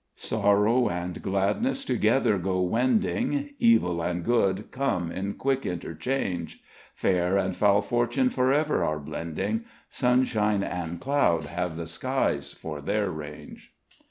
"Sorrow and gladness together go wending; Evil and good come in quick interchange; Fair and foul fortune forever are blending; Sunshine and cloud have the skies for their range."